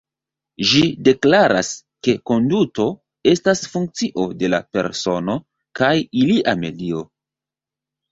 Ĝi deklaras ke konduto estas funkcio de la persono kaj ilia medio.